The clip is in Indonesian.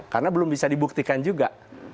karena belum bisa dibuktikan juga